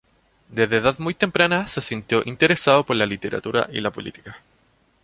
Desde edad muy temprana se sintió interesado por la literatura y la política.